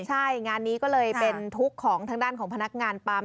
ใช่งานนี้ก็เลยเป็นทุกข์ของทางด้านของพนักงานปั๊ม